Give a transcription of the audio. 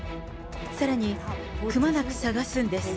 さらに、くまなく探すんです。